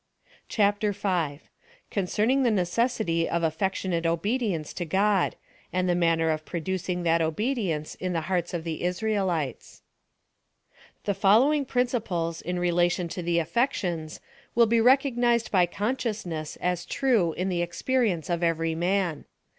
6 76 P H I r. O S O P H Y OF T H B OHAPTKR V. CONCERNING THE NECESSITY OP AFFECTICNATli OBEDIENCE TO GOD ; AND THE MANNER OP PRDDUCING THAT OBEDIENCE IN THE HEARTS OF THE ISRAELITES. The following principles in relation to the affec tions will be recognised by consciousness as true in the experience of every man.